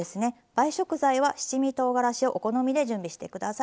映え食材は七味とうがらしをお好みで準備して下さい。